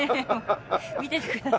見ててください。